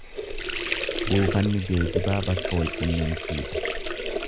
Buufanni geejibaa bakka wal qunnamtii dha.